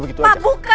aku mau keluar dulu